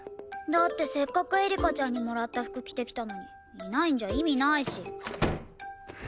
だってせっかくエリカちゃんにもらった服着てきたのにいないんじゃ意味ないし。